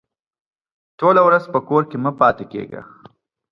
ټوله ورځ په کور کې مه پاته کېږه!